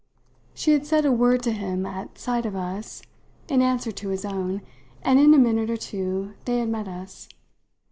She had said a word to him at sight of us, in answer to his own, and in a minute or two they had met us.